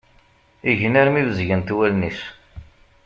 Igen armi bezgent wallen-is.